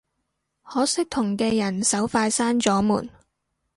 可惜同嘅人手快閂咗門